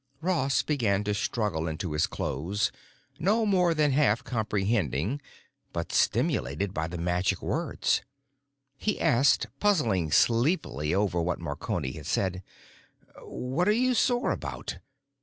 Ross began to struggle into his clothes, no more than half comprehending, but stimulated by the magic words. He asked, puzzling sleepily over what Marconi had said, "What are you sore about?"